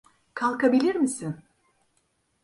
Kalkabilir misin?